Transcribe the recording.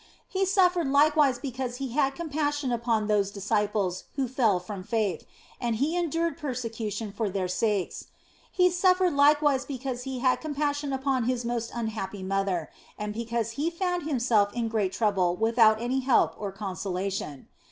He suffered likewise because He had compassion upon those disciples who fell from faith, and He endured persecution for their sakes. He suffered likewise because He had compassion upon His most unhappy mother, and because He found Himself in great trouble without any help or consola tion.